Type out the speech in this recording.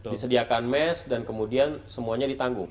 disediakan mes dan kemudian semuanya ditanggung